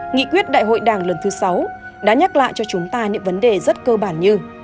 nghị quyết đại hội đảng lần thứ sáu đã nhắc lại cho chúng ta những vấn đề rất cơ bản như